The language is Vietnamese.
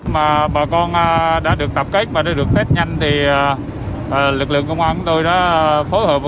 mà bà con đã được tập kết và đã được kết nhanh thì lực lượng công an của tôi đã phối hợp